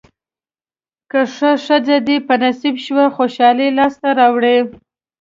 که ښه ښځه دې په نصیب شوه خوشالۍ لاسته راوړې.